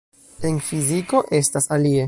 En fiziko estas alie.